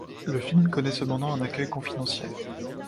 Le film connaît cependant un accueil confidentiel.